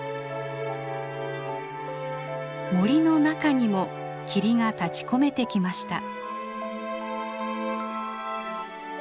森の中にも霧が立ちこめてきました。